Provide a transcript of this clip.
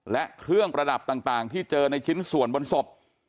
และเครื่องประดับต่างที่เจอในชิ้นส่วนบนศพ